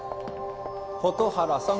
・蛍原さん。